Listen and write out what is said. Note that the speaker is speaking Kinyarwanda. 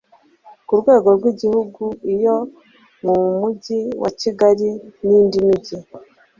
ku rwego rw'igihugu, iyo mu mujyi wa kigali n' indi migi